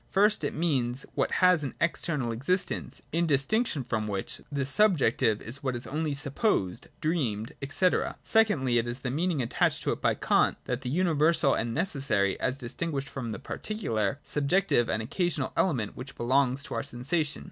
First, it means what has external existence, in distinction from which the subjective is what is only supposed, dreamed, &c. Secondly, it has the mean ing, attached to it by Kant, of the universal and necessary, as distinguished from the particular, subjective and occasional element which belongs to our sensations.